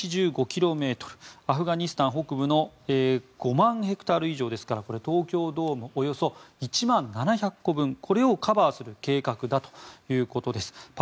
アフガニスタン北部の５万ヘクタール以上ですから東京ドームおよそ１万７００個分これをカバーする計画だということです。